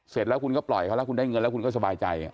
เสร็จแล้วคุณก็ปล่อยเขาแล้วคุณได้เงินแล้วคุณก็สบายใจ